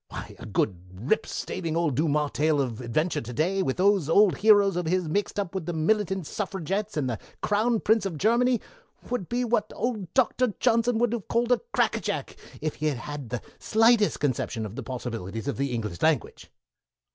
Why, a good, rip staving old Dumas tale of adventure of to day, with those old heroes of his mixed up with the Militant Suffragettes and the Crown Prince of Germany, would be what old Doctor Johnson would have called a cracker jack, if he had had the slightest conception of the possibilities of the English language."